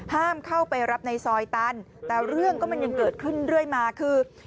ห้ามเข้าไปรับในซอยตันแต่เรื่องก็มันยังเกิดขึ้นเรื่อยมาคือ